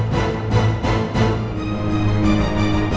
gak akan terjadi kok